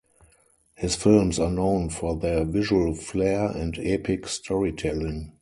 His films are known for their visual flair and epic storytelling.